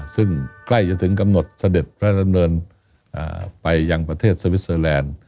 ซึ่งใกล้จะถึงกำหนดเสด็จพระดำเนินไปยังประเทศสวิสเตอร์แลนด์